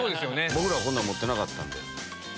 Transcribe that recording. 僕らはこんなの持ってなかった。